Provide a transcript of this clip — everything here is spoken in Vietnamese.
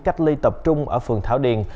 cách ly tập trung ở phường thảo điền